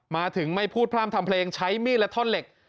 มาถึงไม่พูดพร่ำทำเพลงใช้มีดและท่อนเหล็ก